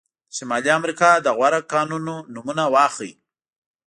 د شمالي امریکا د غوره کانونه نومونه واخلئ.